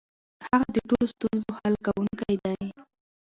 هغه د ټولو ستونزو حل کونکی دی.